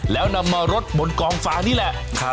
แล้วนำมารดบนกองฟ้านี่แหละ